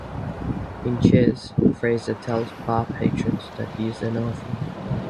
In "Cheers", Frasier tells bar patrons that he is an orphan.